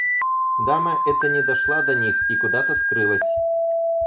Дама эта не дошла до них и куда-то скрылась.